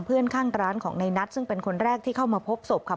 เพื่อนข้างร้านของในนัทซึ่งเป็นคนแรกที่เข้ามาพบศพค่ะ